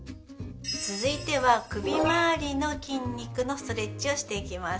続いては首回りの筋肉のストレッチをしていきます。